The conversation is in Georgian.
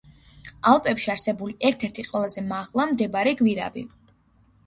ალპებში არსებული ერთ-ერთი ყველაზე მაღლა მდებარე გვირაბი.